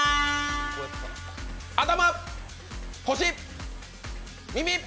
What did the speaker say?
頭、腰、耳。